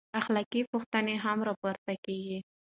اخلاقي پوښتنې هم راپورته کېږي.